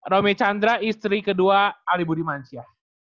romy chandra istri kedua alibudi mansyah